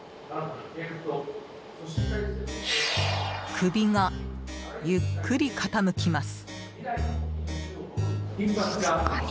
首が、ゆっくり傾きます。